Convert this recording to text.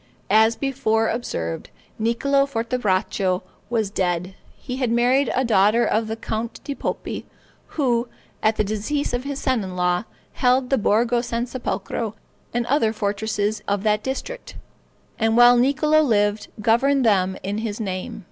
As before observed, Niccolo Fortebraccio was dead. He had married a daughter of the Count di Poppi, who, at the decease of his son in law, held the Borgo San Sepolcro, and other fortresses of that district, and while Niccolo lived, governed them in his name.